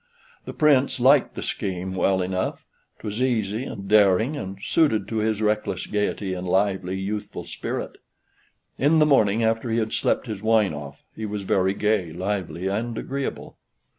The Prince liked the scheme well enough; 'twas easy and daring, and suited to his reckless gayety and lively youthful spirit. In the morning after he had slept his wine off, he was very gay, lively, and agreeable.